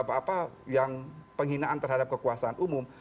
apa yang penghinaan terhadap kekuasaan umum